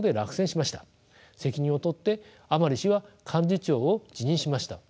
責任を取って甘利氏は幹事長を辞任しました。